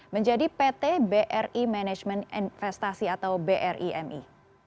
menjadi pt bri management investasi atau brimi